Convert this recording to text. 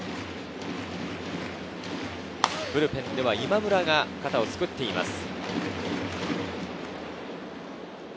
ブルペンでは今村が肩をつくっています。